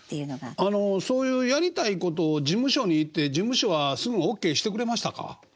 あのそういうやりたいことを事務所に言って事務所はすぐＯＫしてくれましたか？